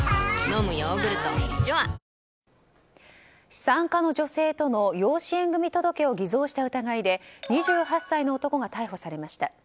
資産家の女性との養子縁組届を偽造した疑いで２８歳の男が逮捕されました。